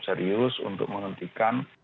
serius untuk menghentikan